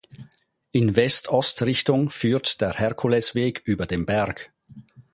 In West-Ost-Richtung führt der Herkulesweg über den Berg.